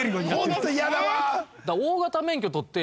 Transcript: ホントやだわ。